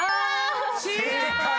［正解！］